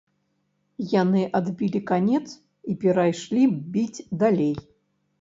Яны адбілі канец і перайшлі біць далей.